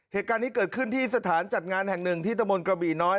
เหตุการณ์นี้เกิดขึ้นที่สถานจัดงานแห่งหนึ่งที่ตะมนต์กระบี่น้อย